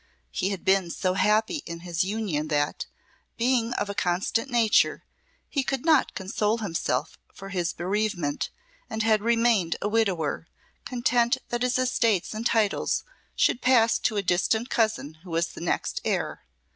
He had been so happy in his union that, being of a constant nature, he could not console himself for his bereavement, and had remained a widower, content that his estates and titles should pass to a distant cousin who was the next heir.